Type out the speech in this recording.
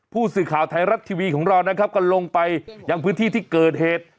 ผู้สื่อข่าวไทยรัฐทีวีของเรานะครับก็ลงไปยังพื้นที่ที่เกิดเหตุ